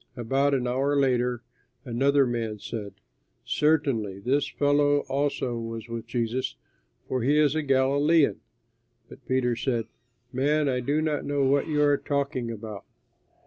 About an hour later another man said, "Certainly this fellow also was with Jesus, for he is a Galilean." But Peter said, "Man, I do not know what you are talking about."